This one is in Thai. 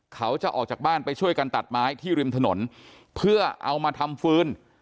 เขาจะออกจากบ้านไปช่วยกันตัดไม้ที่ริมถนนเพื่อเอามาทำฟืน